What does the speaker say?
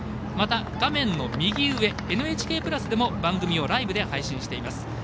また画面の右上ＮＨＫプラスでも番組をライブで配信しています。